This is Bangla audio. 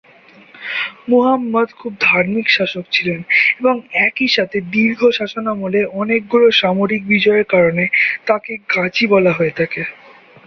মুহাম্মদ খুব ধার্মিক শাসক ছিলেন এবং একইসাথে দীর্ঘ শাসনামলে অনেকগুলো সামরিক বিজয়ের কারণে তাঁকে গাজী বলা হয়ে থাকে।